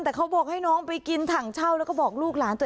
แต่เขาบอกให้น้องไปกินถังเช่า